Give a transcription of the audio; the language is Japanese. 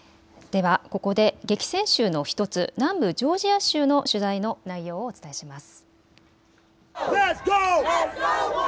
では、ここで激戦州の１つ、南部ジョージア州の取材の内容をお伝えします。